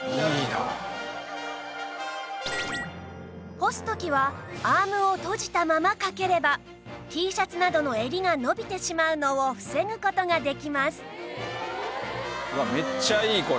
干す時はアームを閉じたままかければ Ｔ シャツなどの襟が伸びてしまうのを防ぐ事ができます